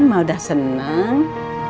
mau udah seneng